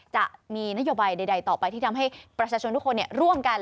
จะมีนโยบายใดต่อไปที่ทำให้ประชาชนทุกคนร่วมกัน